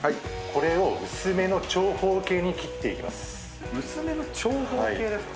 これを薄めの長方形に切っていきます。